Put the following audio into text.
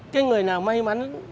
cái người nào may mắn